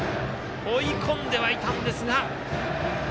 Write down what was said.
追い込んでいたんですが。